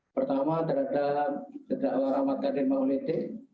pertama terhadap cedera warahmat kdma ult